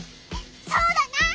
そうだな！